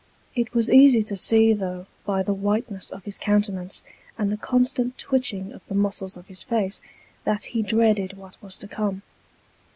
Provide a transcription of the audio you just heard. It was easy to see, though, by the whiteness of his countenance, and the constant twitching of the muscles of his face, that he dreaded what was to come.